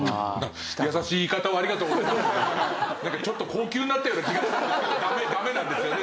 なんかちょっと高級になったような気がしたんですけどダメなんですよね